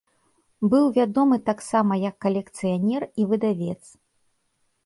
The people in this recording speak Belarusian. Быў вядомы таксама як калекцыянер і выдавец.